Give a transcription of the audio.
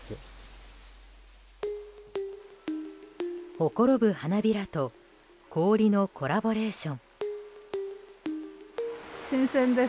ほころぶ花びらと氷のコラボレーション。